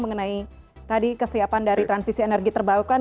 mengenai tadi kesiapan dari transisi energi terbarukan